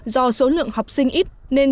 do số lượng học sinh ít nên